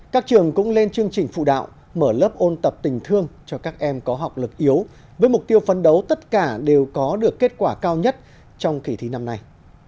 các trường cũng lên chương trình phụ đạo mở lớp ôn tập tình thương cho các em có học lực yếu với mục tiêu phấn đấu tất cả đều có được kết quả cao nhất trong kỳ thi năm nay